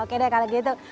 oke deh kalau gitu